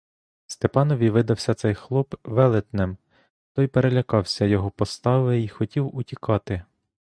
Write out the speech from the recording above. Степанові видався цей хлоп велетнем, то й перелякався його постави й хотів утікати.